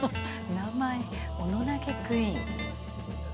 名前オノ投げクイーン。